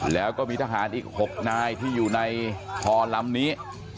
แล้วก็มีทหารอีก๖นายที่อยู่ในคอลำนี้